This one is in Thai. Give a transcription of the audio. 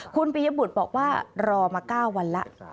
คุณปียบุตรบอกว่ารอมา๙วันแล้ว